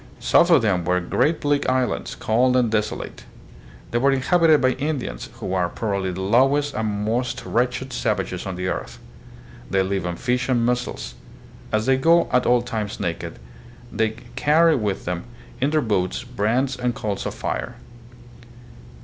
South of them were great bleak islands, cold and desolate. They were inhabited by In dians, who are probably the lowest and most wretched savages on the earth. They live on fish and mussels. As they go at all times naked, they carry with them in their 76 THE PHILIPPINES. boats brands and coals of fire.